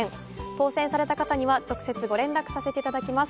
当せんされた方には直接ご連絡させていただきます。